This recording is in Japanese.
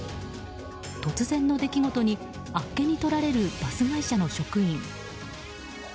突然の出来事にあっけにとられるバス会社の職員。